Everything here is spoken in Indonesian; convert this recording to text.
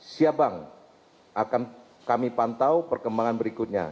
siap bang akan kami pantau perkembangan berikutnya